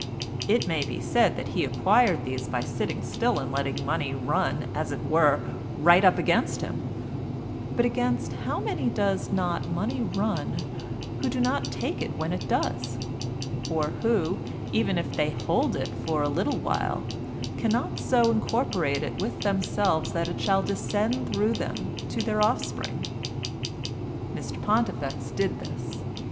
It may be said that he acquired these by sitting still and letting money run, as it were, right up against him, but against how many does not money run who do not take it when it does, or who, even if they hold it for a little while, cannot so incorporate it with themselves that it shall descend through them to their offspring? Mr Pontifex did this.